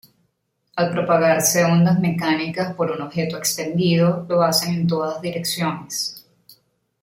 Al propagarse ondas mecánicas por un objeto extendido, lo hacen en todas direcciones.